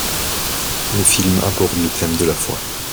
Le film aborde le thème de la foi.